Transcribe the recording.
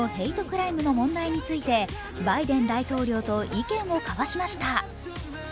クライムの問題についてバイデン大統領と意見を交わしました。